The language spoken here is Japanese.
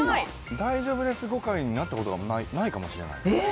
「大丈夫です」誤解になったことがないかもしれない。